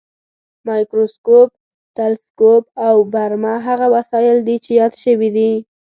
مایکروسکوپ، تلسکوپ او برمه هغه وسایل دي چې یاد شوي دي.